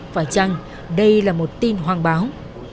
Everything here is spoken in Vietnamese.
phải chăng đây là một tin hoang báo